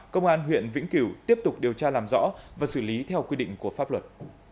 công an huyện vĩnh cửu tiếp tục điều tra làm rõ và xử lý theo quy định của pháp luật